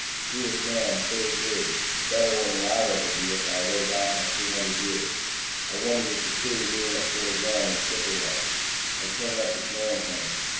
He was man clear through a better one than I'd ever be even if I lived out my two hundred years. I wondered if the crew knew what sort of man their skipper was. I turned up the command helmet.